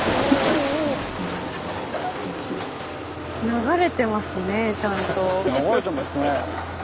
流れてますねちゃんと。